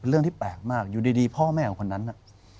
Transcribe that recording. เรื่องที่แปลกมากอยู่ดีพ่อแม่ของคนนั้นน่ะ